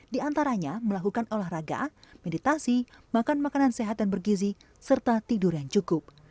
di antaranya melakukan olahraga meditasi makan makanan sehat dan bergizi serta tidur yang cukup